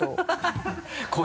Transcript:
ハハハ